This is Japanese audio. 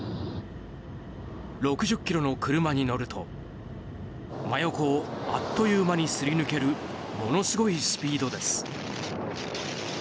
６０キロの車に乗ると真横をあっという間にすり抜けるものすごいスピードです。